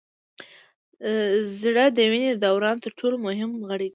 زړه د وینې د دوران تر ټولو مهم غړی دی